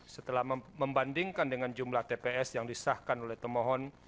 setelah membandingkan dengan jumlah tps yang disahkan oleh pemohon